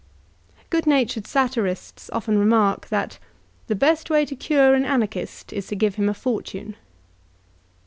Good natured satirists often remark that "the best way to cure an Anarchist is to give him a fortune.